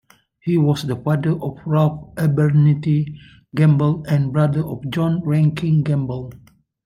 He was the father of Ralph Abernethy Gamble and brother of John Rankin Gamble.